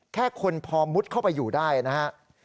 แค่คนพอมุดเข้าไปอยู่ได้นะครับ